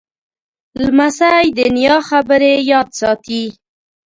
لمسی د نیا خبرې یاد ساتي.